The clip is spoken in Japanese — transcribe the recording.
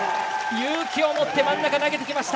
勇気を持って真ん中投げました。